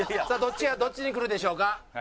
どっちに来るでしょうか？